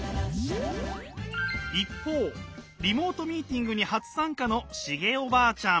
一方リモートミーティングに初参加のシゲおばあちゃん。